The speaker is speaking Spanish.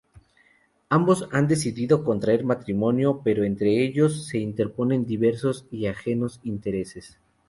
Ambos han decidido contraer matrimonio, pero entre ellos se interponen diversos y ajenos intereses.